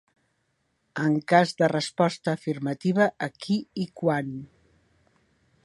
En cas de resposta afirmativa, a qui i quan?